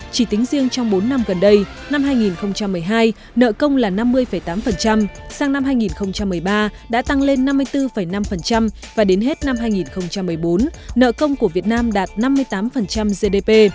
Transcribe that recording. chỉ tính riêng trong bốn năm gần đây năm hai nghìn một mươi hai nợ công là năm mươi tám sang năm hai nghìn một mươi ba đã tăng lên năm mươi bốn năm và đến hết năm hai nghìn một mươi bốn nợ công của việt nam đạt năm mươi tám gdp